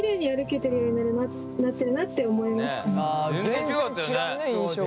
全然違うね印象が。